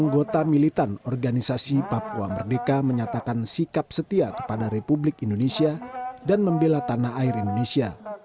anggota militan organisasi papua merdeka menyatakan sikap setia kepada republik indonesia dan membela tanah air indonesia